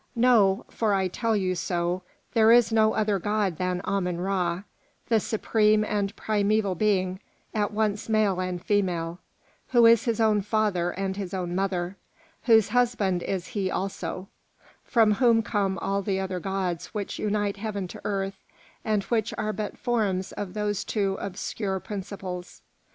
Know, for I tell you so, there is no other god than Ammon Ra, the supreme and primeval being, at once male and female; who is his own father and his own mother, whose husband he is also; from whom come all the other gods which unite heaven to earth and which are but forms of those two obscure principles.